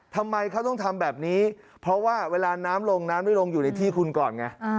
ทำไมเขาต้องทำแบบนี้เพราะว่าเวลาน้ำลงน้ำไม่ลงอยู่ในที่คุณก่อนไง